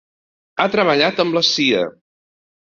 Ha treballat amb la Cia.